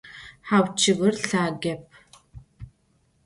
Hau, ççıgır lhagep.